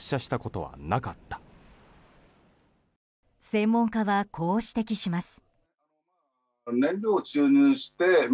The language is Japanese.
専門家は、こう指摘します。